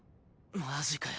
マジかよ